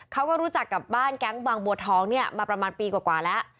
เขาก็รู้จักกับบ้านแก๊งบางบัวทองเนี่ยมาประมาณปีกว่าแล้ว